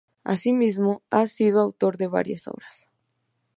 Asimismo, ha sido autor de varias obras.